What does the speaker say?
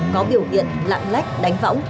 có biểu hiện lạng lách đánh võng